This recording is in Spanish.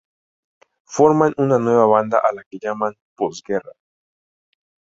Forman una nueva banda a la que llaman "Posguerra".